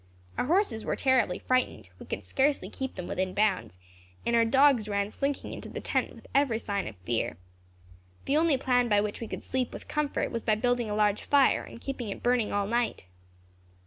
Our horses were terribly frightened; we could scarcely keep them within bounds; and our dogs ran slinking into the tent with every sign of fear. The only plan by which we could sleep with comfort was by building a large fire, and keeping it burning all night."